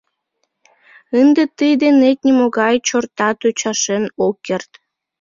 Ынде тый денет нимогай чортат ӱчашен ок керт.